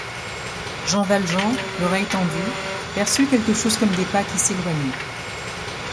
Jean Valjean, l'oreille tendue, perçut quelque chose comme des pas qui s'éloignaient.